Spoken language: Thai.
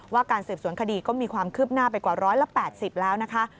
การสืบสวนคดีก็มีความคืบหน้าไปกว่า๑๘๐แล้วนะคะ